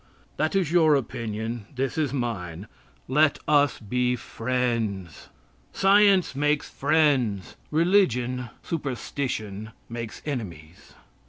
That is your opinion. This is mine: "Let us be friends." Science makes friends, religion superstition makes enemies.